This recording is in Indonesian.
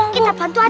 kita bantu aja